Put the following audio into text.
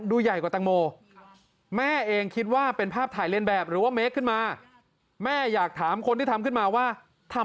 ถ้าใช่นะขอให้หยุดทำไม่อย่างนั้นแม่แจ้งความเอาผิดให้ติดคุกได้เลยนะ